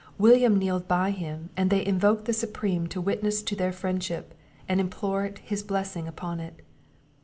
William kneeled by him, and they invoked the Supreme to witness to their friendship, and implored His blessing upon it.